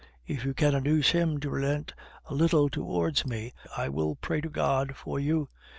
If you can induce him to relent a little towards me, I will pray to God for you.